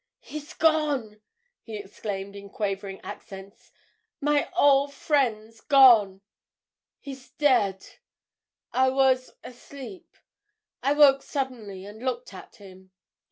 "He's gone!" he exclaimed in quavering accents. "My old friend's gone—he's dead! I was—asleep. I woke suddenly and looked at him.